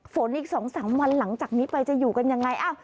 อีก๒๓วันหลังจากนี้ไปจะอยู่กันยังไง